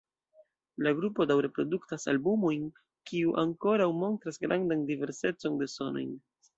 La grupo daŭre produktas albumojn kiu ankoraŭ montras grandan diversecon de sonojn.